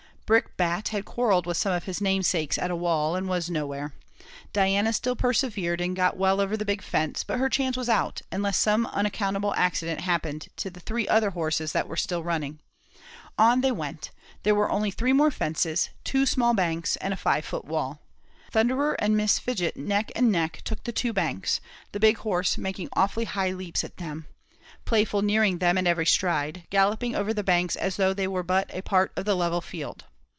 Brickbat had quarrelled with some of his namesakes at a wall, and was now nowhere; Diana still persevered, and got well over the big fence, but her chance was out, unless some unaccountable accident happened to the three other horses that were still running. On they went; there were only three more fences, two small banks, and a five foot wall. Thunderer and Miss Fidget neck and neck took the two banks, the big horse making awfully high leaps at them, Playful nearing them at every stride, galloping over the banks as though they were but a part of the level field.